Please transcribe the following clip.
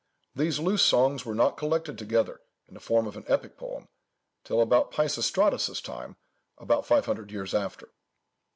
These loose songs were not collected together, in the form of an epic poem, till about Peisistratus' time, about five hundred years after."